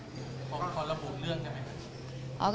เพราะว่าเค้าระบบเรื่องได้ไหมครับ